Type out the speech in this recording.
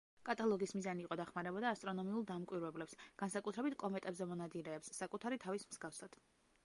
კატალოგის მიზანი იყო დახმარებოდა ასტრონომიულ დამკვირვებლებს, განსაკუთრებით კომეტებზე მონადირეებს, საკუთარი თავის მსგავსად.